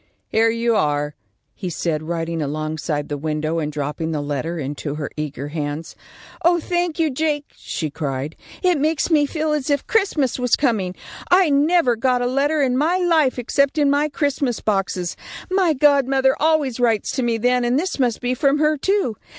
"Here you are," he said, riding alongside the window and dropping the letter into her eager hands. "Oh, thank you, Jake," she cried. "It makes me feel as if Christmas was coming. I never got a letter in my life except in my Christmas boxes. My godmother always writes to me then, and this must be from her, too.